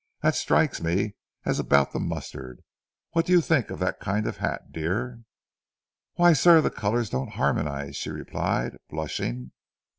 That strikes me as about the mustard. What do you think of that kind of a hat, dear?' "'Why, sir, the colors don't harmonize,' she replied, blushing.